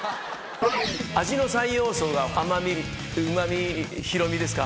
味の三要素が甘み旨みひろみですか？